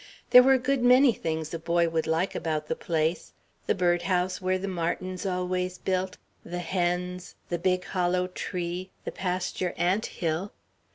There were a good many things a boy would like about the place: the bird house where the martins always built, the hens, the big hollow tree, the pasture ant hill....